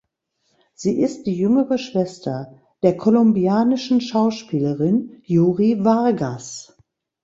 Sie ist die jüngere Schwester der kolumbianischen Schauspielerin Yuri Vargas.